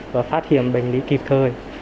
và phát hiểm bệnh lý kịp thời